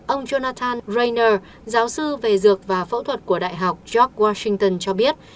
ông jonathan rayner giáo sư về dược và phẫu thuật của đại học george washington cho biết